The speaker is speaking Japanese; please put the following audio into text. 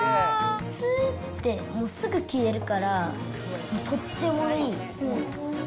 すーってすぐ消えるから、もうとってもいい。